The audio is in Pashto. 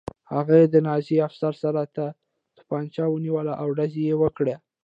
هغه د نازي افسر سر ته توپانچه ونیوله او ډز یې وکړ